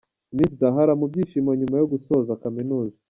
Miss Zahara mu byishimo nyuma yo gusoza kaminuza.